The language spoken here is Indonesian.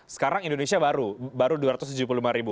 sekarang indonesia baru baru dua ratus tujuh puluh lima ribu